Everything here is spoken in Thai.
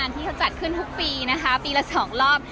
ที่เขาจัดขึ้นทุกปีนะคะปีละ๒รอบ